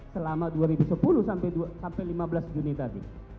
selama dua ribu sepuluh sampai lima belas juni tadi